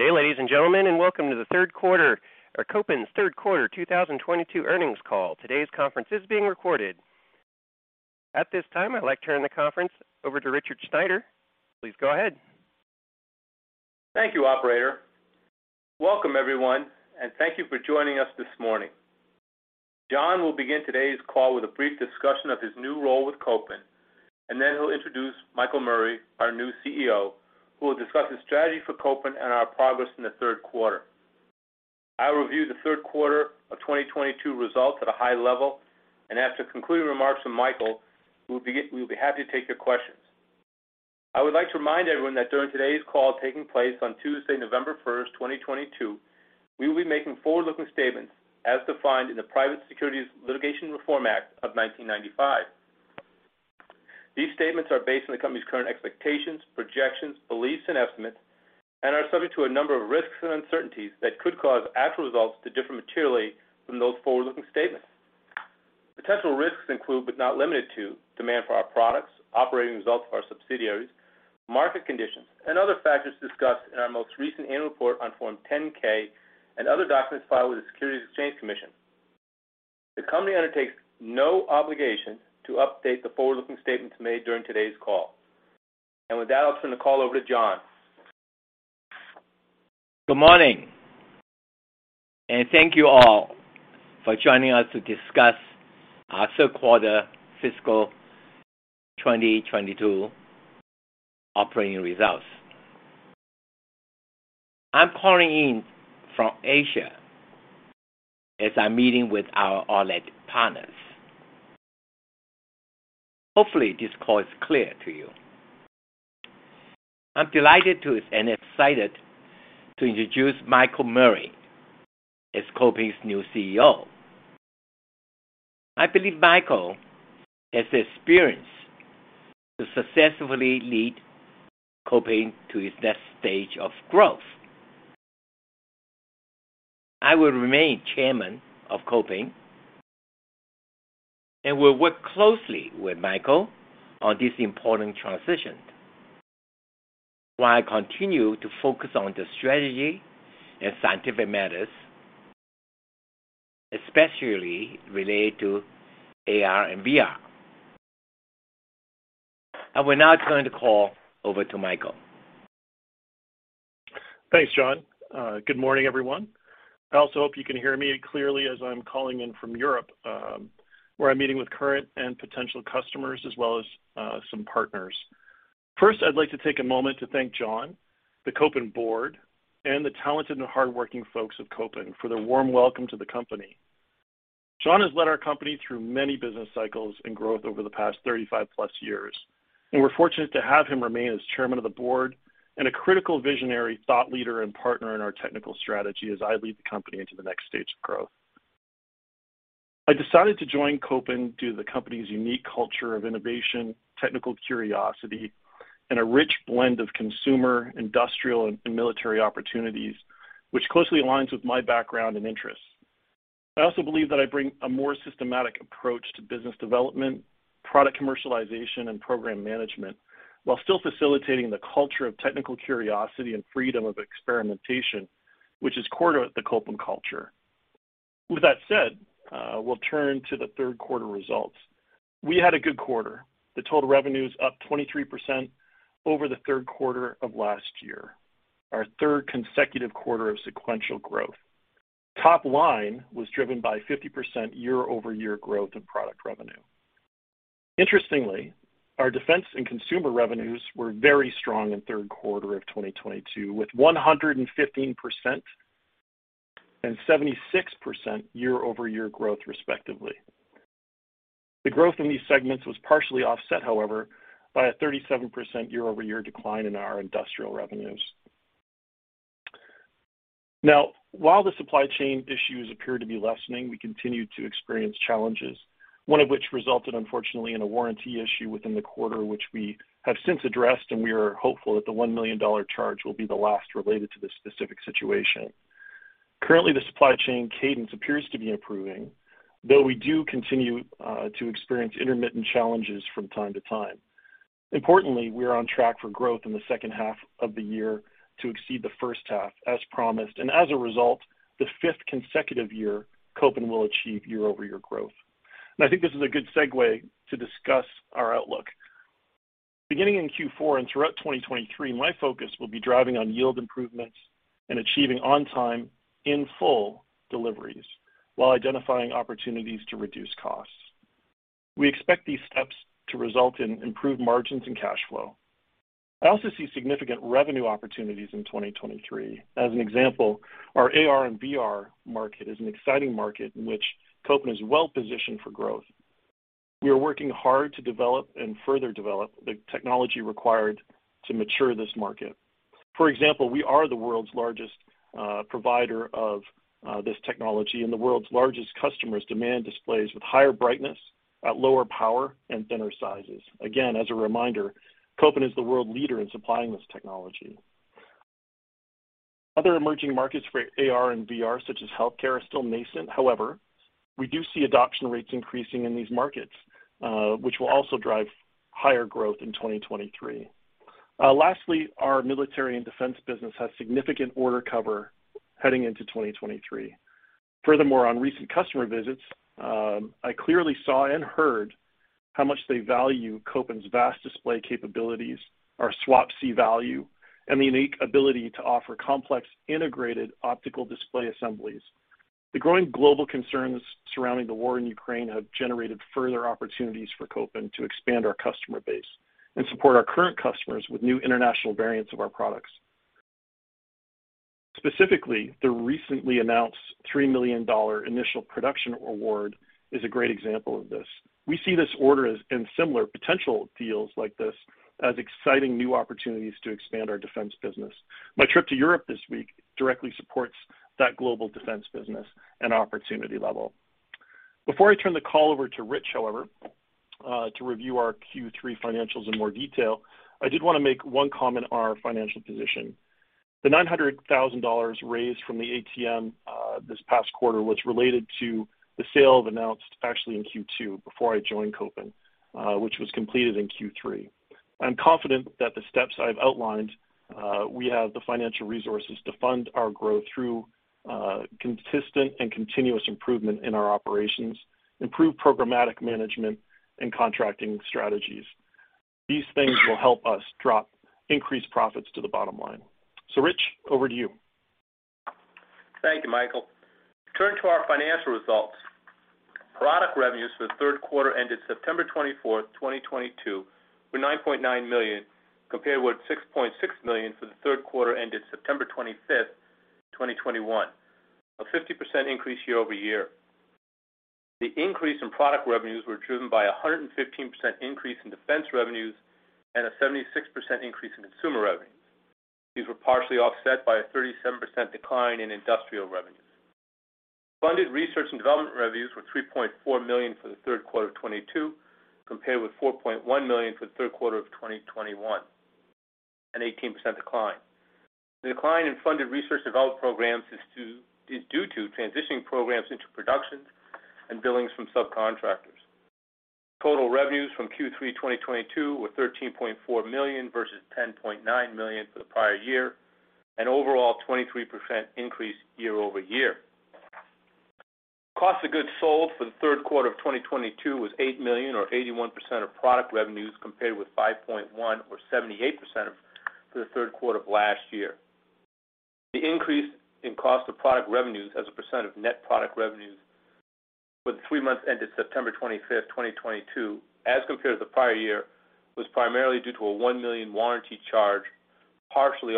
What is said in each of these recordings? Good day, ladies and gentlemen, and welcome to Kopin's Q3 2022 Earnings Call. Today's conference is being recorded. At this time, I'd like to turn the conference over to Richard Sneider. Please go ahead. Thank you, operator. Welcome, everyone, and thank you for joining us this morning. John will begin today's call with a brief discussion of his new role with Kopin, and then he'll introduce Michael Murray, our new CEO, who will discuss his strategy for Kopin and our progress in the Q3. I'll review the Q3 of 2022 results at a high level, and after concluding remarks from Michael, we'll be happy to take your questions. I would like to remind everyone that during today's call taking place on Tuesday, November 1st, 2022, we will be making forward-looking stagtements as defined in the Private Securities Litigation Reform Act of 1995. These statements are based on the company's current expectations, projections, beliefs, and estimates and are subject to a number of risks and uncertainties that could cause actual results to differ materially from those forward-looking statements. Potential risks include, but not limited to, demand for our products, operating results of our subsidiaries, market conditions, and other factors discussed in our most recent annual report on Form 10-K and other documents filed with the Securities and Exchange Commission. The company undertakes no obligation to update the forward-looking statements made during today's call. With that, I'll turn the call over to John. Good morning, and thank you all for joining us to discuss our Q3 Fiscal 2022 Operating Results. I'm calling in from Asia as I'm meeting with our OLED partners. Hopefully, this call is clear to you. I'm delighted to and excited to introduce Michael Murray as Kopin's new CEO. I believe Michael has the experience to successfully lead Kopin to its next stage of growth. I will remain chairman of Kopin and will work closely with Michael on this important transition while I continue to focus on the strategy and scientific matters, especially related to AR and VR. I will now turn the call over to Michael. Thanks, John. Good morning, everyone. I also hope you can hear me clearly as I'm calling in from Europe, where I'm meeting with current and potential customers as well as some partners. First, I'd like to take a moment to thank John, the Kopin board, and the talented and hardworking folks of Kopin for their warm welcome to the company. John has led our company through many business cycles and growth over the past 35+ years, and we're fortunate to have him remain as chairman of the board and a critical visionary thought leader and partner in our technical strategy as I lead the company into the next stage of growth. I decided to join Kopin due to the company's unique culture of innovation, technical curiosity, and a rich blend of consumer, industrial, and military opportunities, which closely aligns with my background and interests. I also believe that I bring a more systematic approach to business development, product commercialization, and program management, while still facilitating the culture of technical curiosity and freedom of experimentation, which is core to the Kopin culture. With that said, we'll turn to the Q3 results. We had a good quarter. The total revenue is up 23% over the Q3 of last year, our third consecutive quarter of sequential growth. Top line was driven by 50% year-over-year growth in product revenue. Interestingly, our Defense and Consumer revenues were very strong in Q3 of 2022, with 115% and 76% year-over-year growth, respectively. The growth in these segments was partially offset, however, by a 37% year-over-year decline in our Industrial revenues. Now, while the supply chain issues appear to be lessening, we continue to experience challenges, one of which resulted, unfortunately, in a warranty issue within the quarter, which we have since addressed, and we are hopeful that the $1 million charge will be the last related to this specific situation. Currently, the supply chain cadence appears to be improving, though we do continue to experience intermittent challenges from time to time. Importantly, we are on track for growth in the second half of the year to exceed the first half as promised, and as a result, the fifth consecutive year Kopin will achieve year-over-year growth. I think this is a good segue to discuss our outlook. Beginning in Q4 and throughout 2023, my focus will be driving on yield improvements and achieving on-time in-full deliveries while identifying opportunities to reduce costs. We expect these steps to result in improved margins and cash flow. I also see significant revenue opportunities in 2023. As an example, our AR and VR market is an exciting market in which Kopin is well-positioned for growth. We are working hard to develop and further develop the technology required to mature this market. For example, we are the world's largest provider of this technology, and the world's largest customers demand displays with higher brightness at lower power and thinner sizes. Again, as a reminder, Kopin is the world leader in supplying this technology. Other emerging markets for AR and VR, such as healthcare, are still nascent. However, we do see adoption rates increasing in these markets, which will also drive higher growth in 2023. Lastly, our Military and Defense business has significant order cover heading into 2023. Furthermore, on recent customer visits, I clearly saw and heard how much they value Kopin's vast display capabilities, our SWaP-C value, and the unique ability to offer complex integrated optical display assemblies. The growing global concerns surrounding the war in Ukraine have generated further opportunities for Kopin to expand our customer base and support our current customers with new international variants of our products. Specifically, the recently announced $3 million initial production award is a great example of this. We see this order and in similar potential deals like this as exciting new opportunities to expand our Defense business. My trip to Europe this week directly supports that global Defense business and opportunity level. Before I turn the call over to Rich, however, to review our Q3 financials in more detail, I did want to make one comment on our financial position. The $900,000 raised from the ATM this past quarter was related to the sale announced actually in Q2 before I joined Kopin, which was completed in Q3. I'm confident that we have the financial resources to fund our growth through consistent and continuous improvement in our operations, improve programmatic management and contracting strategies. These things will help us drive increased profits to the bottom line. Rich, over to you. Thank you, Michael. Turning to our financial results. Product revenues for the Q3 ended September 24th, 2022 were $9.9 million, compared with $6.6 million for the Q3 ended September 25th, 2021. A 50% increase year-over-year. The increase in Product revenues were driven by a 115% increase in Defense revenues and a 76% increase in Consumer revenues. These were partially offset by a 37% decline in Industrial revenues. Funded Research and Development revenues were $3.4 million for the Q3 of 2022, compared with $4.1 million for the Q3 of 2021, an 18% decline. The decline in funded Research Development programs is due to transitioning programs into production and billings from subcontractors. Total revenues from Q3 2022 were $13.4 million versus $10.9 million for the prior year, an overall 23% increase year-over-year. Cost of goods sold for the Q3 of 2022 was $8 million or 81% of product revenues, compared with $5.1 million or 78% for the Q3 of last year. The increase in cost of product revenues as a percent of net product revenues for the three months ended September 25th, 2022, as compared to the prior year, was primarily due to a $1 million warranty charge, partially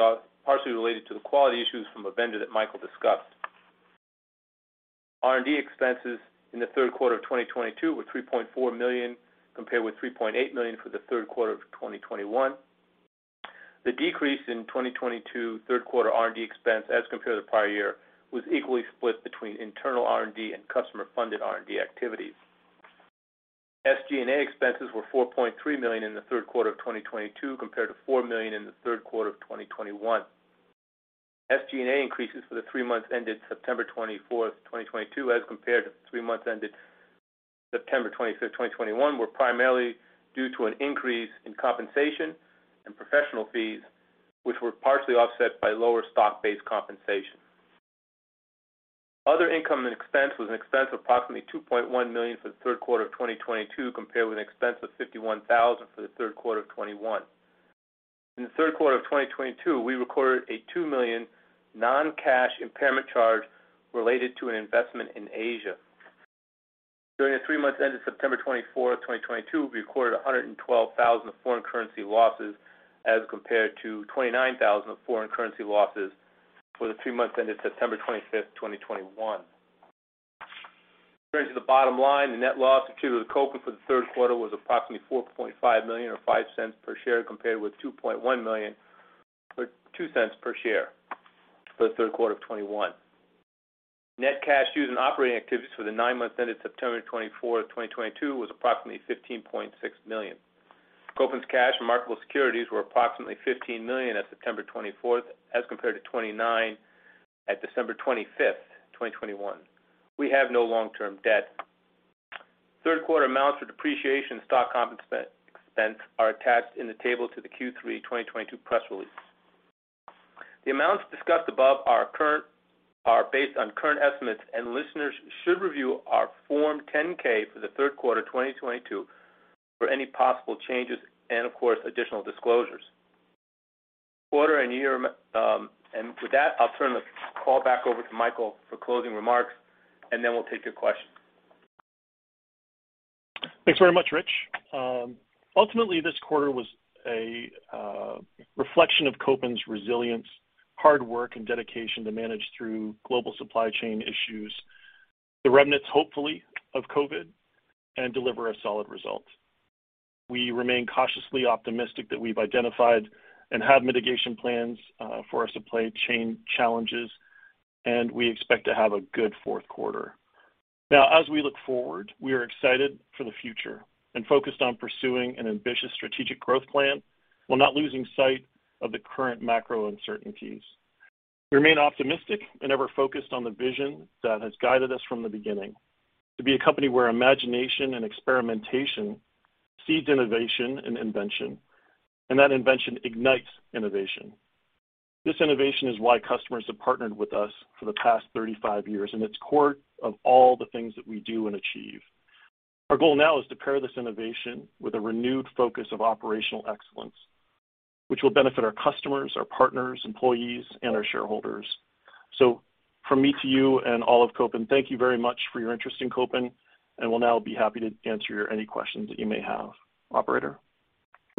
related to the quality issues from a vendor that Michael discussed. R&D expenses in the Q3 of 2022 were $3.4 million, compared with $3.8 million for the Q3 of 2021. The decrease in 2022 Q3 R&D expense as compared to the prior year was equally split between internal R&D and customer-funded R&D activities. SG&A expenses were $4.3 million in the Q3 of 2022, compared to $4 million in the Q3 of 2021. SG&A increases for the three months ended September 24th, 2022, as compared to the three months ended September 25th, 2021, were primarily due to an increase in compensation and professional fees, which were partially offset by lower stock-based compensation. Other income and expense was an expense of approximately $2.1 million for the Q3 of 2022, compared with an expense of $51,000 for the Q3 of 2021. In the Q3 of 2022, we recorded a $2 million non-cash impairment charge related to an investment in Asia. During the three months ended September 24th, 2022, we recorded $112,000 of foreign currency losses as compared to $29,000 of foreign currency losses for the three months ended September 25th, 2021. Turning to the bottom line, the net loss attributed to Kopin for the Q3 was approximately $4.5 million or $0.05 per share, compared with $2.1 million or $0.02 per share for the Q3 of 2021. Net cash used in operating activities for the nine months ended September 24th, 2022, was approximately $15.6 million. Kopin's cash and marketable securities were approximately $15 million as of September 24th, as compared to $29 million at December 25th, 2021. We have no long-term debt. Q3 amounts for depreciation and stock compensation expense are attached in the table to the Q3 2022 press release. The amounts discussed above are based on current estimates, and listeners should review our Form 10-K for the Q3 of 2022 for any possible changes and, of course, additional disclosures. With that, I'll turn the call back over to Michael for closing remarks, and then we'll take your questions. Thanks very much, Rich. Ultimately, this quarter was a reflection of Kopin's resilience, hard work, and dedication to manage through global supply chain issues, the remnants, hopefully, of COVID, and deliver a solid result. We remain cautiously optimistic that we've identified and have mitigation plans for our supply chain challenges, and we expect to have a good Q4. Now, as we look forward, we are excited for the future and focused on pursuing an ambitious strategic growth plan while not losing sight of the current macro uncertainties. We remain optimistic and ever focused on the vision that has guided us from the beginning, to be a company where imagination and experimentation seeds innovation and invention, and that invention ignites innovation. This innovation is why customers have partnered with us for the past 35 years, and it's core of all the things that we do and achieve. Our goal now is to pair this innovation with a renewed focus of operational excellence, which will benefit our customers, our partners, employees, and our shareholders. From me to you and all of Kopin, thank you very much for your interest in Kopin, and we'll now be happy to answer any questions that you may have. Operator.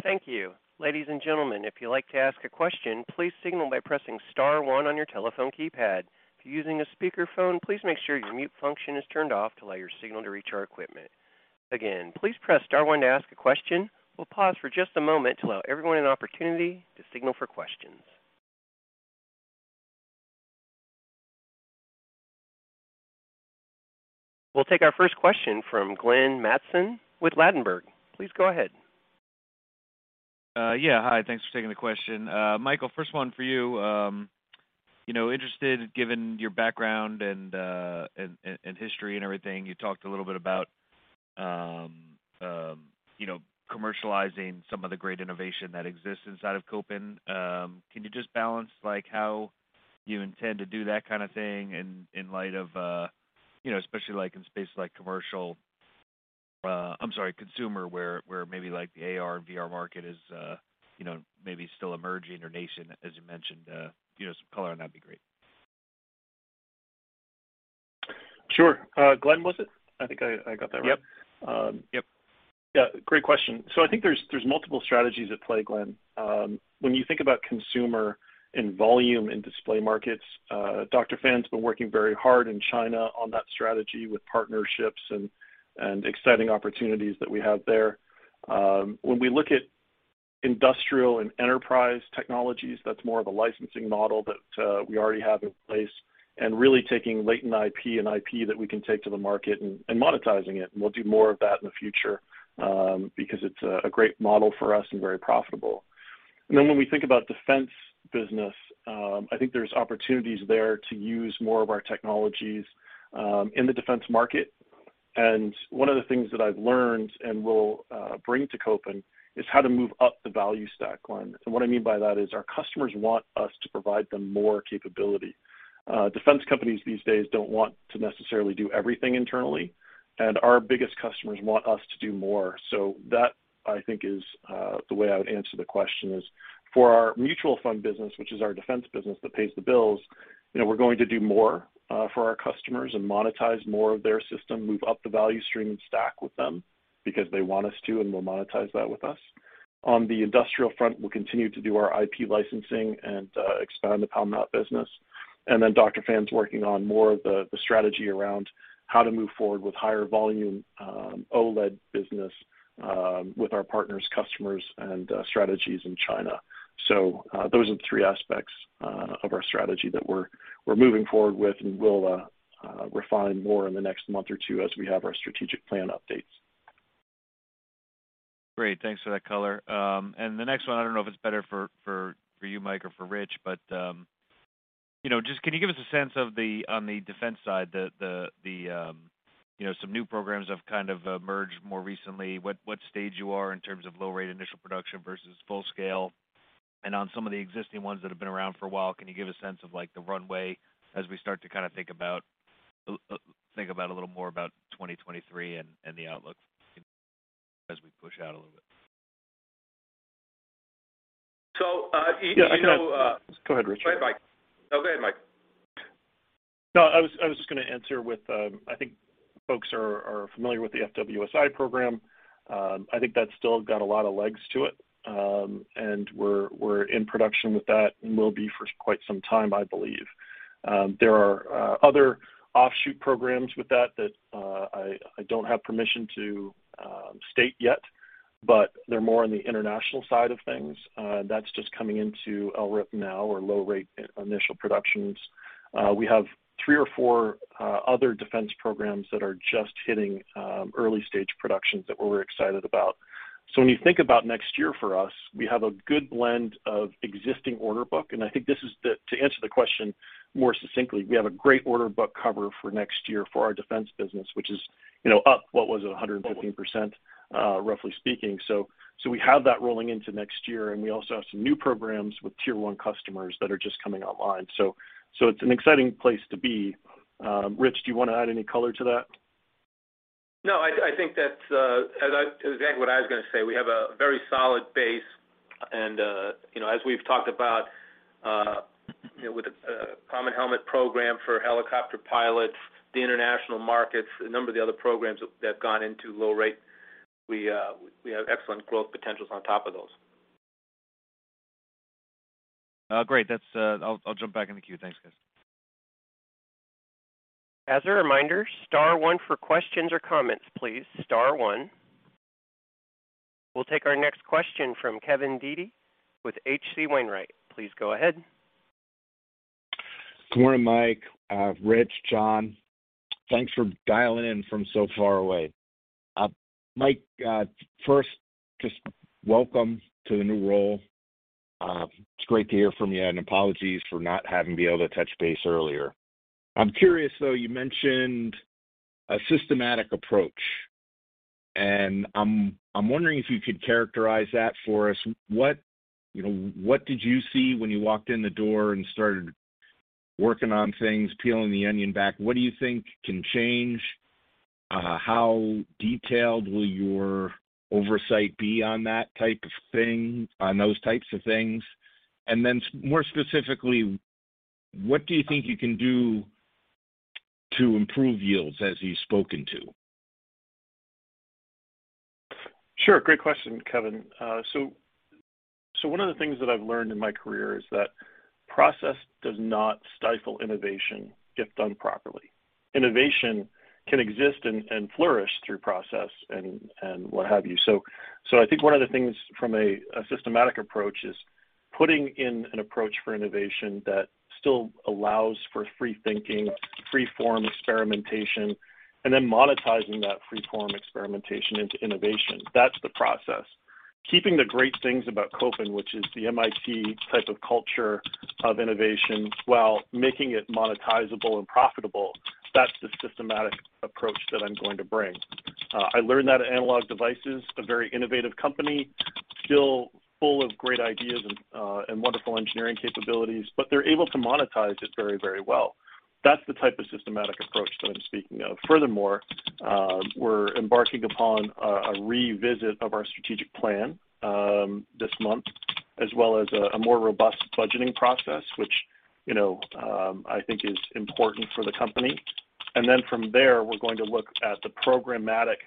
Thank you. Ladies and gentlemen, if you'd like to ask a question, please signal by pressing star one on your telephone keypad. If you're using a speakerphone, please make sure your mute function is turned off to allow your signal to reach our equipment. Again, please press star one to ask a question. We'll pause for just a moment to allow everyone an opportunity to signal for questions. We'll take our first question from Glenn Mattson with Ladenburg. Please go ahead. Yeah. Hi. Thanks for taking the question. Michael, first one for you. You know, interested, given your background and history and everything. You talked a little bit about, you know, commercializing some of the great innovation that exists inside of Kopin. Can you just balance, like, how you intend to do that kind of thing in light of, you know, especially like in spaces like consumer, where maybe like the AR/VR market is, you know, maybe still emerging or nascent, as you mentioned, you know, some color on that'd be great. Sure. Glenn, was it? I think I got that right. Yep. Yep. Yeah, great question. So I think there's multiple strategies at play, Glenn. When you think about consumer and volume and display markets, Dr. Fan's been working very hard in China on that strategy with partnerships and exciting opportunities that we have there. When we look at Industrial and Enterprise technologies, that's more of a licensing model that we already have in place and really taking latent IP and IP that we can take to the market and monetizing it, and we'll do more of that in the future, because it's a great model for us and very profitable. Then when we think about defense business, I think there's opportunities there to use more of our technologies in the Defense market. One of the things that I've learned and will bring to Kopin is how to move up the value stack line. What I mean by that is our customers want us to provide them more capability. Defense companies these days don't want to necessarily do everything internally, and our biggest customers want us to do more. That, I think, is the way I would answer the question is for our Military business, which is our Defense business that pays the bills, you know, we're going to do more for our customers and monetize more of their system, move up the value stream and stack with them because they want us to, and we'll monetize that with us. On the Industrial front, we'll continue to do our IP licensing and expand the Palmmount business. Dr. Fan’s working on more of the strategy around how to move forward with higher volume OLED business with our partners, customers, and strategies in China. Those are the three aspects of our strategy that we’re moving forward with and we’ll refine more in the next month or two as we have our strategic plan updates. Great. Thanks for that color. The next one, I don't know if it's better for you, Mike, or for Rich, but you know, just can you give us a sense of on the Defense side, you know, some new programs have kind of emerged more recently. What stage you are in terms of low rate initial production versus full scale? On some of the existing ones that have been around for a while, can you give a sense of like the runway as we start to kind of think about a little more about 2023 and the outlook as we push out a little bit? Go ahead, Richard. Go ahead, Mike. No, go ahead, Mike. No, I was just gonna answer with, I think folks are familiar with the FWS-I program. I think that's still got a lot of legs to it. We're in production with that and will be for quite some time, I believe. There are other offshoot programs with that that I don't have permission to state yet, but they're more on the International side of things. That's just coming into LRIP now or low rate initial productions. We have three or four other defense programs that are just hitting early stage productions that we're excited about. When you think about next year for us, we have a good blend of existing order book. To answer the question more succinctly, we have a great order book cover for next year for our Defense business, which is, you know, up, what was it, 115%, roughly speaking. We have that rolling into next year, and we also have some new programs with tier one customers that are just coming online. It's an exciting place to be. Rich, do you wanna add any color to that? No, I think that's exactly what I was gonna say. We have a very solid base and, you know, as we've talked about, you know, with the Common Helmet program for helicopter pilots, the International markets, a number of the other programs that have gone into low rate, we have excellent growth potentials on top of those. Great. That's. I'll jump back in the queue. Thanks, guys. As a reminder, star one for questions or comments, please. Star one. We'll take our next question from Kevin Dede with H.C. Wainwright. Please go ahead. Good morning, Mike, Rich, John. Thanks for dialing in from so far away. Mike, first, just welcome to the new role. It's great to hear from you, and apologies for not having been able to touch base earlier. I'm curious, though. You mentioned a systematic approach, and I'm wondering if you could characterize that for us. What, you know, what did you see when you walked in the door and started working on things, peeling the onion back? What do you think can change? How detailed will your oversight be on that type of thing, on those types of things? Then more specifically, what do you think you can do to improve yields as you've spoken to? Sure. Great question, Kevin. One of the things that I've learned in my career is that process does not stifle innovation if done properly. Innovation can exist and flourish through process and what have you. I think one of the things from a systematic approach is putting in an approach for innovation that still allows for free thinking, free form experimentation, and then monetizing that free form experimentation into innovation. That's the process. Keeping the great things about Kopin, which is the MIT type of culture of innovation, while making it monetizable and profitable, that's the systematic approach that I'm going to bring. I learned that at Analog Devices, a very innovative company, still full of great ideas and wonderful engineering capabilities, but they're able to monetize it very, very well. That's the type of systematic approach that I'm speaking of. Furthermore, we're embarking upon a revisit of our strategic plan this month, as well as a more robust budgeting process, which, you know, I think is important for the company. From there, we're going to look at the programmatic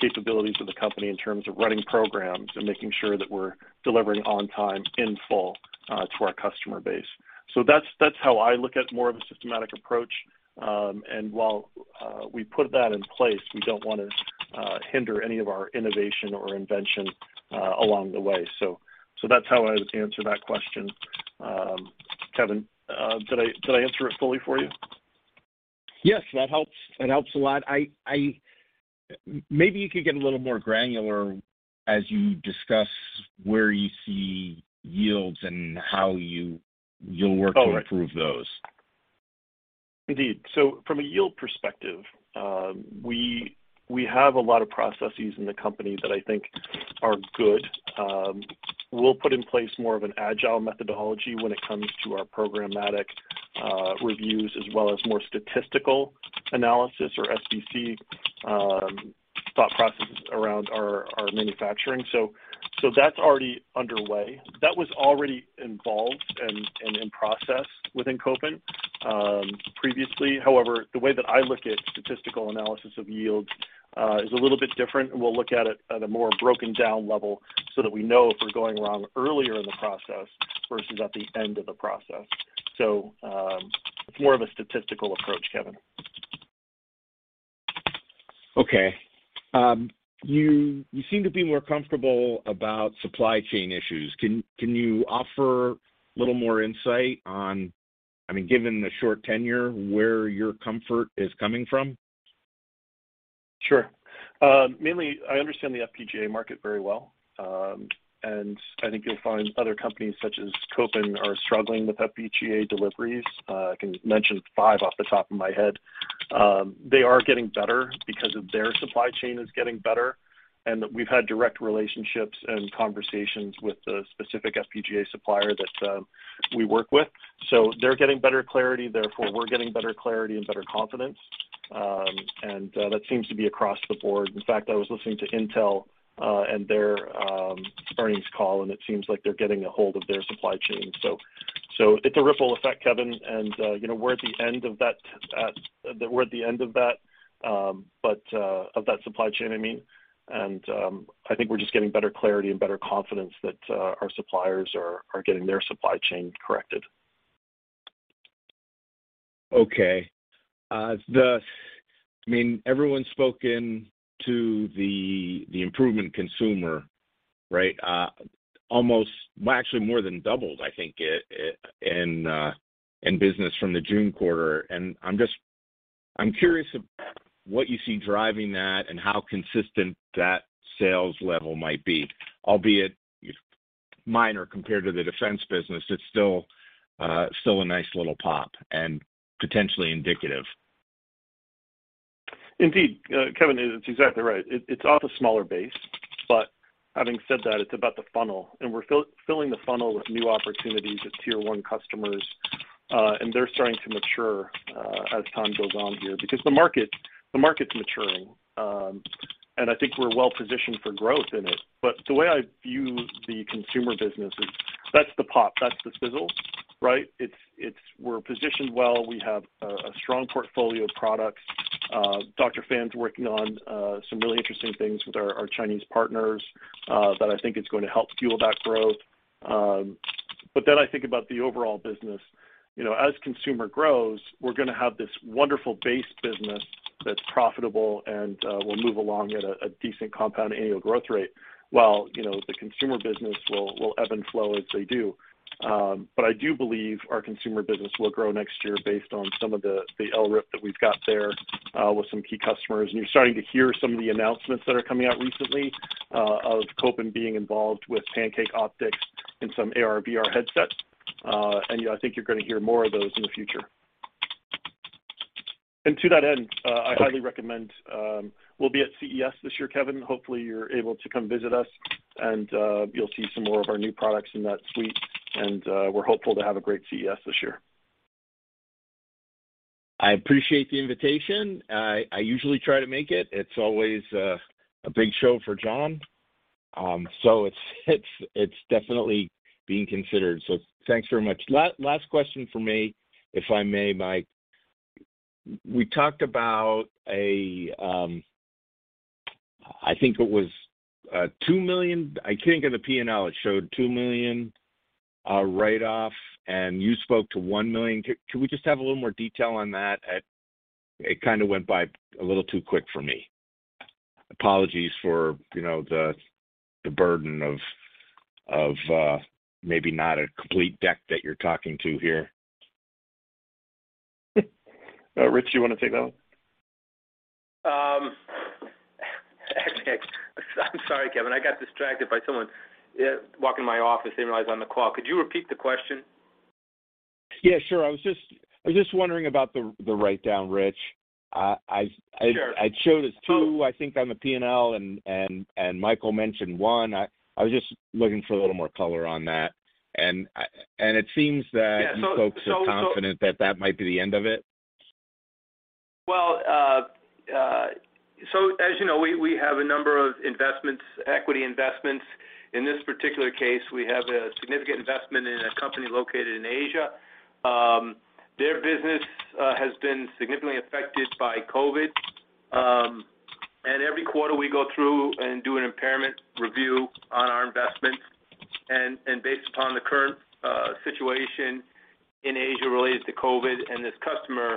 capabilities of the company in terms of running programs and making sure that we're delivering on time in full to our customer base. That's how I look at more of a systematic approach. While we put that in place, we don't wanna hinder any of our innovation or invention along the way. That's how I would answer that question, Kevin. Did I answer it fully for you? Yes. That helps. That helps a lot. Maybe you could get a little more granular as you discuss where you see yields and how you'll work- All right. -to improve those. Indeed. From a yield perspective, we have a lot of processes in the company that I think are good. We'll put in place more of an agile methodology when it comes to our programmatic reviews, as well as more statistical analysis or SPC thought processes around our manufacturing. That's already underway. That was already involved and in process within Kopin previously. However, the way that I look at statistical analysis of yields is a little bit different, and we'll look at it at a more broken down level so that we know if we're going wrong earlier in the process versus at the end of the process. It's more of a statistical approach, Kevin. Okay. You seem to be more comfortable about supply chain issues. Can you offer a little more insight on, I mean, given the short tenure, where your comfort is coming from? Sure. Mainly I understand the FPGA market very well. I think you'll find other companies such as Kopin are struggling with FPGA deliveries. I can mention five off the top of my head. They are getting better because of their supply chain is getting better, and that we've had direct relationships and conversations with the specific FPGA supplier that we work with. They're getting better clarity, therefore, we're getting better clarity and better confidence. That seems to be across the board. In fact, I was listening to Intel and their earnings call, and it seems like they're getting a hold of their supply chain. It's a ripple effect, Kevin. You know, we're at the end of that, but of that supply chain, I mean, I think we're just getting better clarity and better confidence that our suppliers are getting their supply chain corrected. Okay. I mean, everyone's spoken to the improvement in consumer, right? Well, actually more than doubled, I think, in business from the June quarter. I'm curious about what you see driving that and how consistent that sales level might be, albeit minor compared to the Defense business. It's still a nice little pop and potentially indicative. Indeed. Kevin, it's exactly right. It's off a smaller base, but having said that, it's about the funnel, and we're filling the funnel with new opportunities with Tier 1 customers, and they're starting to mature, as time goes on here. Because the market's maturing, and I think we're well-positioned for growth in it. The way I view the consumer business is that's the pop, that's the sizzle, right? We're positioned well. We have a strong portfolio of products. Dr. Fan's working on some really interesting things with our Chinese partners, that I think is gonna help fuel that growth. I think about the overall business. You know, as consumer grows, we're gonna have this wonderful base business that's profitable and will move along at a decent compound annual growth rate while, you know, the consumer business will ebb and flow as they do. But I do believe our consumer business will grow next year based on some of the LRIP that we've got there with some key customers. You're starting to hear some of the announcements that are coming out recently of Kopin being involved with Pancake Optics and some AR/VR headsets. Yeah, I think you're gonna hear more of those in the future. To that end, I highly recommend we'll be at CES this year, Kevin. Hopefully, you're able to come visit us, and you'll see some more of our new products in that suite. We're hopeful to have a great CES this year. I appreciate the invitation. I usually try to make it. It's always a big show for John. It's definitely being considered. Thanks very much. Last question for me, if I may, Mike. We talked about a, I think it was, $2 million. I can't get a P&L. It showed $2 million write off, and you spoke to $1 million. Can we just have a little more detail on that? It kind of went by a little too quick for me. Apologies for, you know, the burden of maybe not a complete deck that you're talking to here. Rich, do you wanna take that one? I'm sorry, Kevin. I got distracted by someone walking in my office. They didn't realize I'm on the call. Could you repeat the question? Yeah, sure. I was just wondering about the write down, Rich. I've- Sure. It showed as two, I think, on the P&L, and Michael mentioned one. I was just looking for a little more color on that. It seems that- Yeah. -you folks are confident that might be the end of it. Well, as you know, we have a number of investments, equity investments. In this particular case, we have a significant investment in a company located in Asia. Their business has been significantly affected by COVID. Every quarter we go through and do an impairment review on our investments. Based upon the current situation in Asia related to COVID and this customer,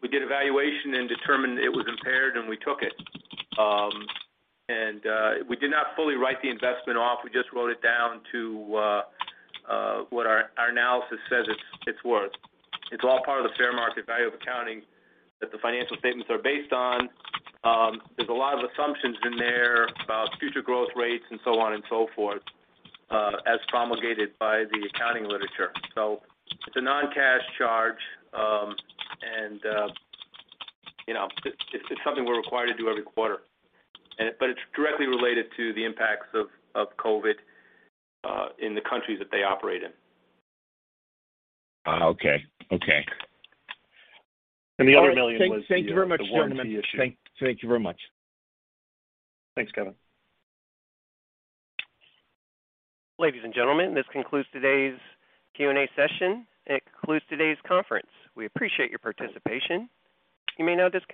we did evaluation and determined it was impaired, and we took it. We did not fully write the investment off. We just wrote it down to what our analysis says it's worth. It's all part of the fair value accounting that the financial statements are based on. There's a lot of assumptions in there about future growth rates and so on and so forth, as promulgated by the accounting literature. It's a non-cash charge. You know, it's something we're required to do every quarter. It's directly related to the impacts of COVID in the countries that they operate in. Okay. Okay. The other $1 million was- Thank you very much, gentlemen. -the warranty issue. Thank you very much. Thanks, Kevin. Ladies and gentlemen, this concludes today's Q&A session and concludes today's conference. We appreciate your participation. You may now disconnect.